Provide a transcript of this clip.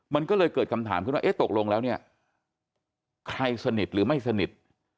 มันก็เลยเกิดคำถามขึ้นว่าเอ๊ะตกลงแล้วเนี่ยใครสนิทหรือไม่สนิท